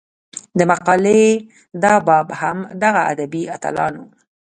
د مقالې دا باب هم دغه ادبي اتلانو